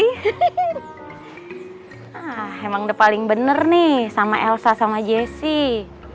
hahaha emang udah paling bener nih sama elsa sama jessi